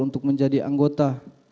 untuk menjadi anggota